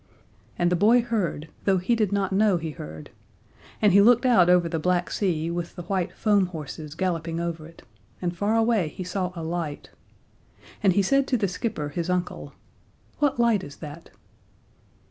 And the boy heard, though he did not know he heard, and he looked out over the black sea with the white foam horses galloping over it, and far away he saw a light. And he said to the skipper, his uncle: "What light is that?"